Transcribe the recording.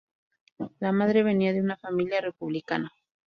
La madre venía de una familia republicana.